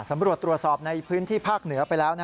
ตำรวจตรวจสอบในพื้นที่ภาคเหนือไปแล้ว